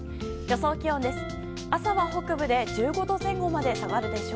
予想気温です。